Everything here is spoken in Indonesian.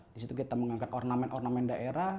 di situ kita mengangkat ornamen ornamen daerah